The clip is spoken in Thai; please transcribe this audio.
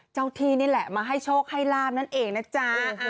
ที่นี่แหละมาให้โชคให้ลาบนั่นเองนะจ๊ะ